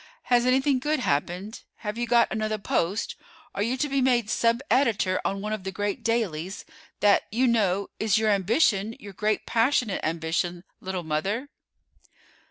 "Has anything good happened; have you got another post? Are you to be made sub editor on one of the great dailies; that, you know, is your ambition, your great passionate ambition, little mother."